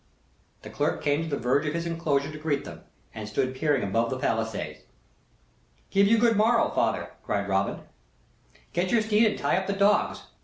The clerk came to the verge of his enclosure to greet them, and stood peering above the palisade. "Give you good morrow, father," cried Robin; "get your steed and tie up the dogs.